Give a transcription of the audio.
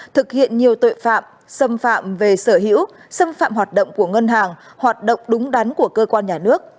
thực hiện nhiều tội phạm xâm phạm về sở hữu xâm phạm hoạt động của ngân hàng hoạt động đúng đắn của cơ quan nhà nước